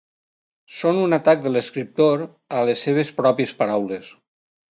Són un atac de l'escriptor a les seves pròpies paraules.